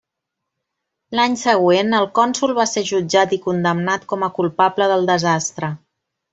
L'any següent el cònsol va ser jutjat i condemnat com a culpable del desastre.